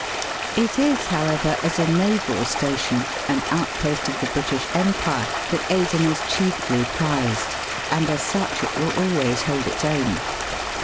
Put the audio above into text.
It is, however, as a naval station, an out post of the British Empire, that Aden is chiefly prized, apd as such it wiU always hold its own.